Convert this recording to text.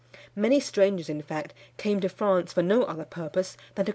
Many strangers, in fact, came to France for no other purpose than to consult him."